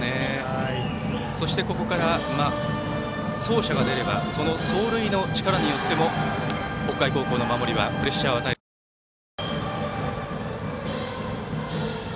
そして、ここから走者が出ればその走塁の力によっても北海高校の守りはプレッシャーを与えられています。